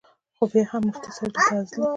خو بیا هم کۀ مفتي صېب دلته ازلي ،